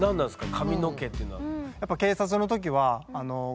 「髪の毛」っていうのは。